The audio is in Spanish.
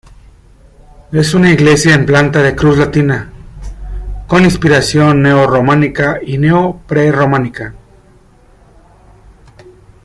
Es una iglesia en planta de cruz latina, con inspiración neo románica y neo-prerrománica.